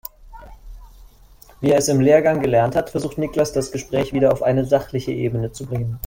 Wie er es im Lehrgang gelernt hat, versucht Niklas das Gespräch wieder auf eine sachliche Ebene zu bringen.